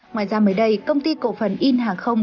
ngoài ra mới đây công ty cổ phần in hàng không